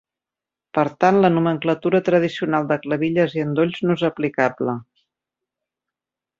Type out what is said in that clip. Per tant, la nomenclatura tradicional de clavilles i endolls no és aplicable.